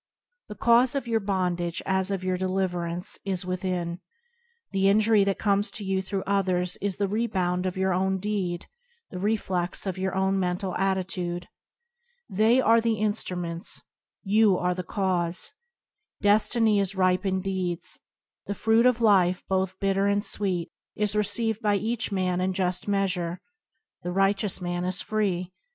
The cause of your bondage as of your deliverance is with in. The injury that comes to you through others is the rebound of your own deed, the reflex of your own mental attitude. They are the instruments, you are the cause. Destiny is ripened deeds. The fruit of life, both bit ter and sweet, is received by each man in just measure. The righteous man is free.